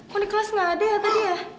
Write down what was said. kok di kelas gak ada ya tadi ya